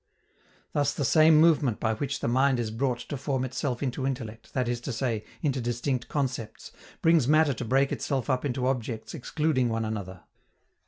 Thus the same movement by which the mind is brought to form itself into intellect, that is to say, into distinct concepts, brings matter to break itself up into objects excluding one another.